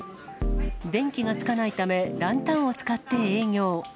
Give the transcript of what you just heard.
電気がつかないため、ランタンを使って営業。